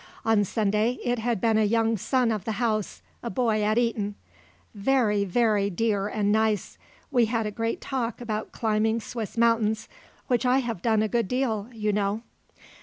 On Sunday it had been a young son of the house, a boy at Eton. "Very, very dear and nice. We had a great talk about climbing Swiss mountains, which I have done a good deal, you know."